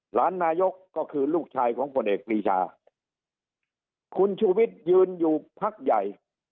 หลานนายกก็คือลูกชายของผลเอกปรีชาคุณชูวิทย์ยืนอยู่พักใหญ่